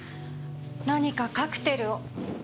何かカクテルを。